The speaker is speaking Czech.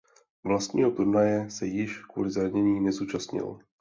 Vlastního turnaje se již kvůli zranění nezúčastnil.